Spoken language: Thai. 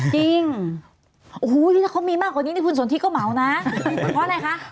จริงโอ้โหนี่ถ้าเขามีมากกว่านี้นี่คุณสนทิก็เหมานะเพราะอะไรคะ